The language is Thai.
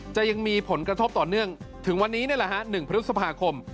จะยังมีผลกระทบต่อเนื่องถึงวันนี้นี่แหละฮะ๑พฤษภาคม